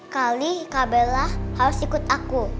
kali kak bella harus ikut aku